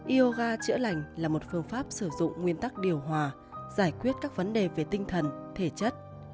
yoga chữa lành là một phương pháp sử dụng nguyên tắc điều hòa giải quyết các vấn đề về tinh thần thể chất